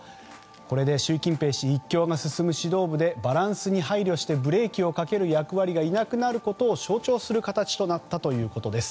これで習近平氏一強が進む指導部でバランスに配慮してブレーキをかける役割がいなくなることを象徴する形となったということです。